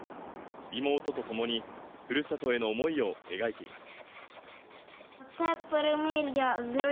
妹と共に、ふるさとへの思いを描いています。